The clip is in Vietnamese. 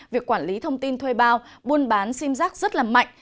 việc quản lý thông tin thuê bao buôn bán xim rác rất mạnh